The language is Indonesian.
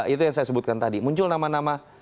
itu yang saya sebutkan tadi muncul nama nama